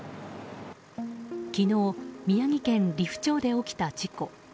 昨日、宮城県利府町で起きた事故。